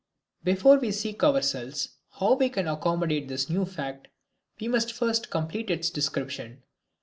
Before we ask ourselves how we can accommodate this new fact, we must first complete its description.